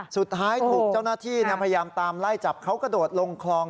สุดท้ายถูกเจ้าหน้าที่พยายามตามไล่จับเขากระโดดลงคลอง